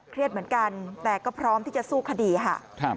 เหมือนกันแต่ก็พร้อมที่จะสู้คดีค่ะ